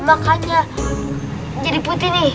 makanya jadi putih nih